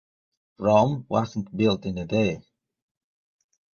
Rome wasn't built in a day.